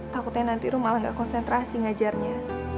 takutnya nanti ruh malah gak konsentrasi ngajarnya